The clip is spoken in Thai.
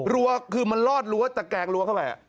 รัวคือมันรอดรัวแต่แกล้งรัวเข้าไป